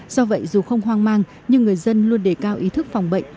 do vậy dù không hoang mang nhưng người dân luôn đề cao ý thức phòng bệnh